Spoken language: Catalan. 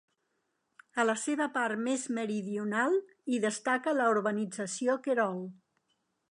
A la seva part més meridional, hi destaca la urbanització Querol.